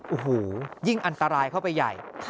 โอ้โหยิ่งอันตรายเข้าไปใหญ่